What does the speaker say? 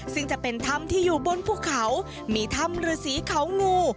ซึ่งจะเป็นธรรมที่อยู่บนภูเขามีธรรมฤสีเขางู